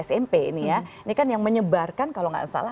smp ini ya ini kan yang menyebarkan kalau nggak salah